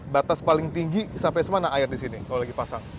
batas paling tinggi sampai mana air disini kalau lagi pasang